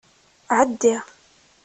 Ɛeddi.